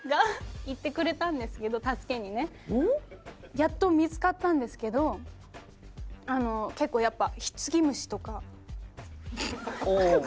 やっと見付かったんですけど結構やっぱ。